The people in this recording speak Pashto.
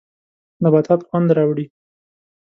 نبات خوند راوړي.